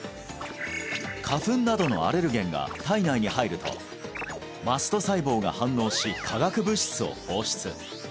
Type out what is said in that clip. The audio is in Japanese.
花粉などのアレルゲンが体内に入るとマスト細胞が反応し化学物質を放出